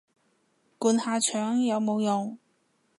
灌下腸有冇用